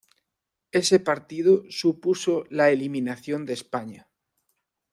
Ese partido supuso la eliminación de España.